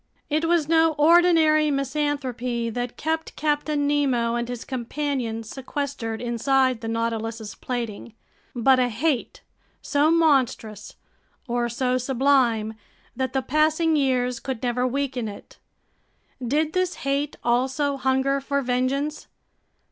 It was no ordinary misanthropy that kept Captain Nemo and his companions sequestered inside the Nautilus's plating, but a hate so monstrous or so sublime that the passing years could never weaken it. Did this hate also hunger for vengeance?